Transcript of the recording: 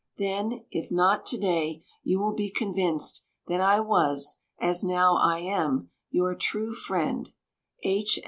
Then, if not to day, you will be convinced that I was as now I am, Your true Friend, H.